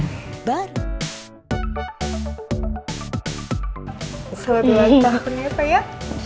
selamat ulang tahun ya pak ya